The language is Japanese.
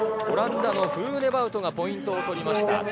オランダのフルーネバウトがポイントを取りました。